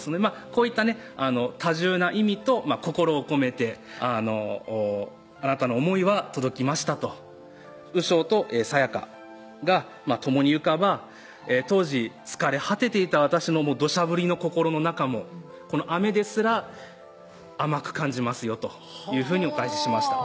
こういったね多重な意味と心を込めて「あなたの思いは届きました」と雨昇と咲野香が共に行かば当時疲れ果てていた私のどしゃ降りの心の中もこの雨ですら甘く感じますよというふうにお返ししました